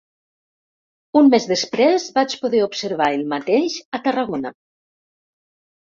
Un mes després vaig poder observar el mateix a Tarragona